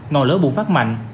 ngòn lỡ bụng phát mạnh